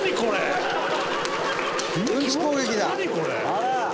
あら！